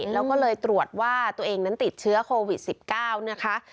แล้วก็เลยตรวจว่าตัวเองนั้นติดเชื้อโควิด๑๙นะคะ